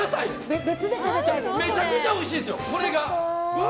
めちゃめちゃおいしいですよこれ。